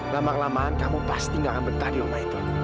lama kelamaan kamu pasti gak akan betah di rumah itu